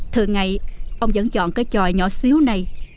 thường ngày ông vẫn chọn cái tròi nhỏ xíu này